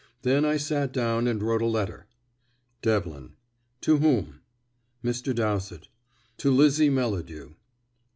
Then I sat down and wrote a letter." Devlin: "To whom?" Mr. Dowsett: "To Lizzie Melladew."